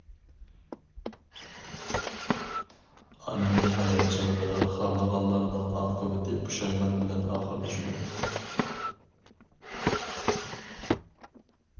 ئانىنى ھايات چېغىدا خارلىغانلارنىڭ ئاقىۋىتى پۇشايمان بىلەن ئاخىرلىشىدۇ.